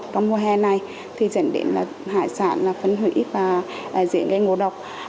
trong mùa hè này thì dành đến hải sản phân hủy và diễn gây ngộ độc